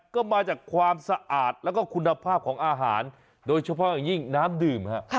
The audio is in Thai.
ก็มาจากความสะอาดแล้วก็คุณภาพของอาหารโดยเฉพาะอย่างยิ่งน้ำดื่มฮะ